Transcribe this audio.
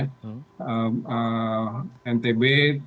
ntb tk jawa barat jawa barat